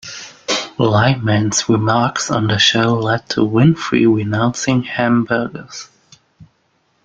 Lyman's remarks on the show led to Winfrey renouncing hamburgers.